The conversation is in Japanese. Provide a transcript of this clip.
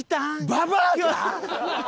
ババアか？